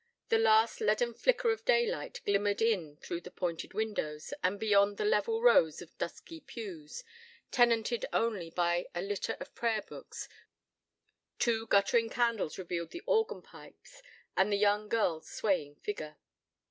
The last, leaden flicker of daylight glimmered in through the pointed windows, and beyond the level rows of dusky pews, tenanted only by a litter of prayer books, two guttering candles revealed the organ pipes, and the young girl's swaying figure.